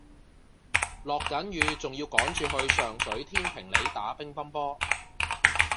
落緊雨仲要趕住去上水天平里打乒乓波